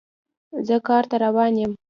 زه کار ته روان یم